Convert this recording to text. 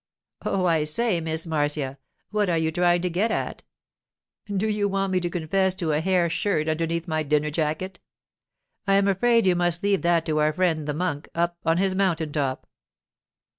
'Oh, I say, Miss Marcia! What are you trying to get at? Do you want me to confess to a hair shirt underneath my dinner jacket?—I am afraid you must leave that to our friend the monk, up on his mountain top.